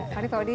pak odi pak haji